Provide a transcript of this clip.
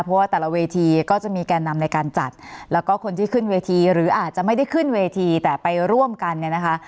เพราะว่าแต่ละเวทีก็จะมีแก่นำในการจัดแล้วก็คนที่ขึ้นเวทีหรืออาจจะไม่ได้ขึ้นเวทีแต่ไปร่วมกันเนี่ยนะคะ